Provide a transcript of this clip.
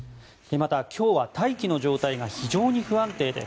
また、今日は大気の状態が非常に不安定で